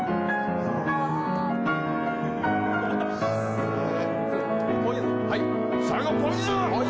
すげえ！